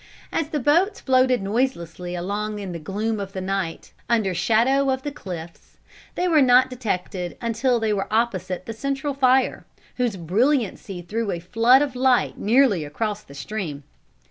As the boats floated noiselessly along in the gloom of the night, under shadow of the cliffs, they were not detected until they were opposite the central fire, whose brilliancy threw a flood of light nearly across the stream.